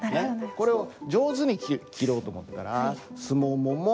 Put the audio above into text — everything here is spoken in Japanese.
これを上手に切ろうと思ったら「すももももも。